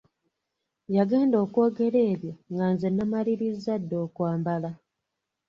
Yagenda okwogera ebyo nga nze namaliriza dda okwambala.